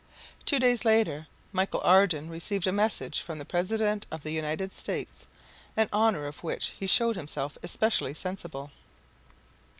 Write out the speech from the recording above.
Two days later Michel Ardan received a message from the President of the United States, an honor of which he showed himself especially sensible.